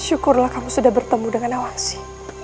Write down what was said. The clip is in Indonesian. syukurlah kamu sudah bertemu dengan awasi